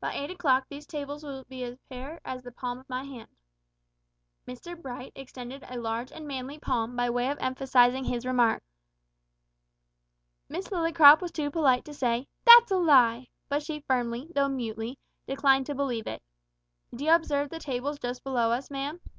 By eight o'clock these tables will be as bare as the palm of my hand." Mr Bright extended a large and manly palm by way of emphasising his remark. Miss Lillycrop was too polite to say, "That's a lie!" but she firmly, though mutely, declined to believe it. "D'you observe the tables just below us, ma'am?"